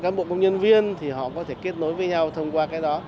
phục vụ cho cán bộ công nhân viên thì họ có thể kết nối với nhau thông qua cái đó